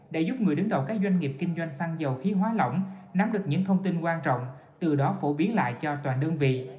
đã giúp người đứng đầu các doanh nghiệp kinh doanh xăng dầu khí hóa lỏng nắm được những thông tin quan trọng từ đó phổ biến lại cho toàn đơn vị